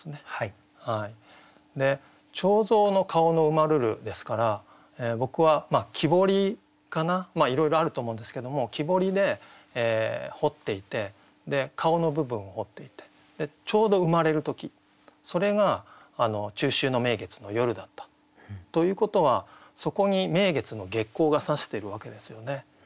「彫像の顔の生まるる」ですから僕は木彫りかないろいろあると思うんですけども木彫りで彫っていて顔の部分を彫っていてちょうど生まれる時それが中秋の名月の夜だったということはそこに名月の月光がさしてるわけですよね。